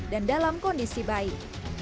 dan dalam kondisi baik